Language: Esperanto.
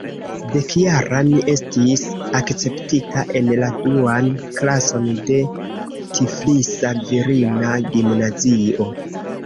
Dekjara mi estis akceptita en la duan klason de Tiflisa virina gimnazio.